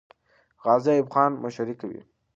غازي ایوب خان مشري کوي.